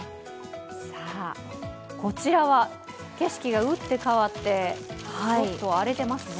こちらは景色が打って変わってちょっと荒れていますね。